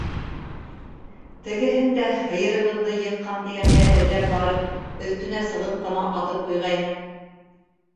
Тегеһен дә һыйырыбыҙҙы йыҡҡан тигәнгә эҙләп барып, өҫтөнә сығып ҡына атып ҡуйғайны.